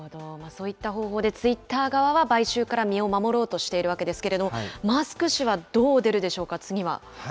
そういった方法でツイッター側は、買収から身を守ろうとしているわけですけれども、マスク氏はどう出るでしょうか、次は。